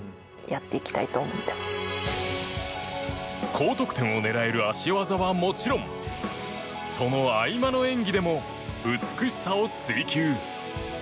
高得点を狙える脚技はもちろんその合間の演技でも美しさを追求。